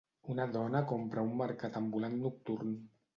Una dona compra a un mercat ambulant nocturn.